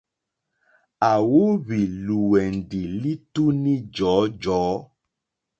À wóhwì lùwɛ̀ndì lítúní jɔ̀ɔ́jɔ̀ɔ́.